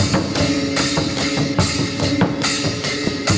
สวัสดีสวัสดี